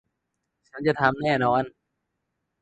ฉันจะทำแน่นอน